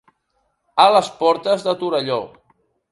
A les portes de Torelló.